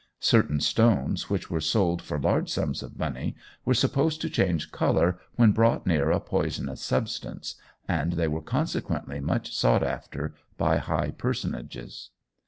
Certain stones which were sold for large sums of money were supposed to change colour when brought near a poisonous substance, and they were consequently much sought after by high personages.